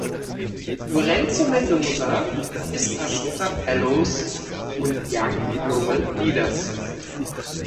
Lorenzo Mendoza ist Ashoka Fellows und Young Global Leaders.